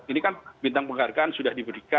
ini kan bintang penghargaan sudah diberikan